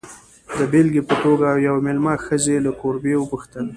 د بېلګې په توګه، یوې مېلمه ښځې له کوربې وپوښتل.